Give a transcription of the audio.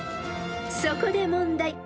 ［そこで問題］